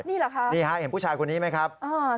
นี่เหรอครับซื้อดำนี่เห็นผู้ชายคนนี้ไหมครับ